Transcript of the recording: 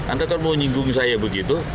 anda kan mau nyinggung saya begitu